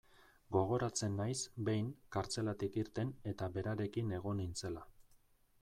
Gogoratzen naiz, behin, kartzelatik irten eta berarekin egon nintzela.